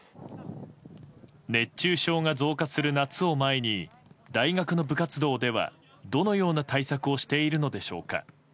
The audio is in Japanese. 熱中症が増加する夏を前に大学の部活動ではどのような対策をしているのでしょうか。